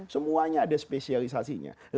semuanya ada spesialisasinya